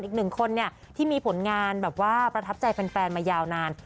อีกหนึ่งคนเนี่ยที่มีผลงานแบบว่าประทับใจแฟนมายาวนาน